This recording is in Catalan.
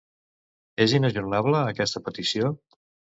És inajornable, aquesta petició?